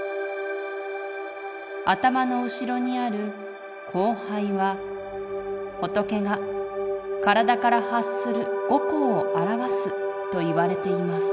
頭の後ろにある光背は仏が体から発する後光を表すといわれています」。